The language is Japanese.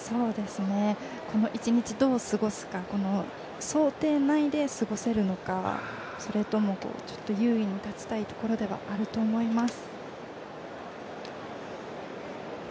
この一日どう過ごすか想定内で過ごせるのかそれともちょっと優位に立ちたいところではあると思います。